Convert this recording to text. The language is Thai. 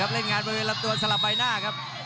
เล่นงานบริเวณลำตัวสลับใบหน้าครับ